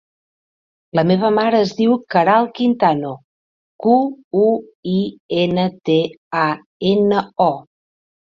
La meva mare es diu Queralt Quintano: cu, u, i, ena, te, a, ena, o.